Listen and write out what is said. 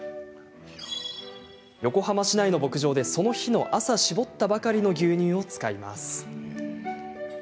横浜市内の牧場で、その日の朝搾ったばかりの牛乳を使います。